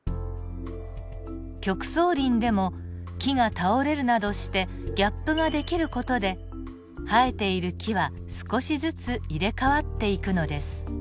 極相林でも木が倒れるなどしてギャップが出来る事で生えている木は少しずつ入れ代わっていくのです。